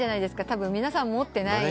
たぶん皆さん持ってない。